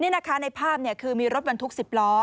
ในภาพมีรถบรรทุกก้นล้อ